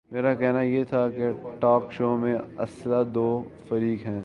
میرا کہنا یہ تھا کہ ٹاک شو میں اصلا دو فریق ہیں۔